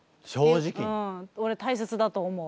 オレ大切だと思う。